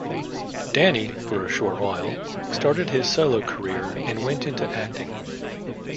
Danny, for a short while, started his solo career and went into acting.